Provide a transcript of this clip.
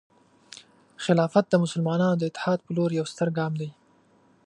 خلافت د مسلمانانو د اتحاد په لور یو ستر ګام دی.